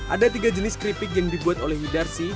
ada tiga jenis keripik yang dibuat oleh widarsi